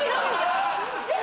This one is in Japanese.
えっ！